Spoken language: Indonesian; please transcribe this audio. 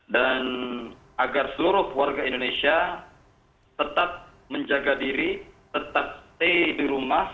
dan agar seluruh keluarga indonesia tetap menjaga diri tetap stay di rumah